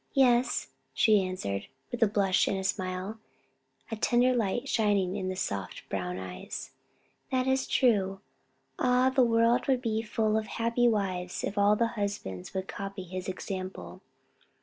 "Yes," she answered, with a blush and smile, a tender light shining in the soft brown eyes, "that is true. Ah, the world would be full of happy wives if all the husbands would copy his example!